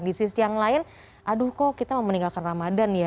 di sisi yang lain aduh kok kita mau meninggalkan ramadan ya